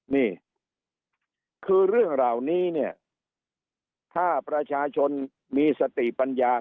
นี่คือเรื่องเหล่านี้เนี่ยถ้าประชาชนมีสติปัญญา